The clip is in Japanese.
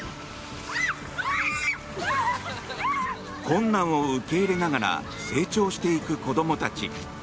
困難を受け入れながら成長していく子供たち。